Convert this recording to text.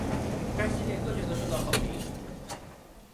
该系列各卷都受到了好评。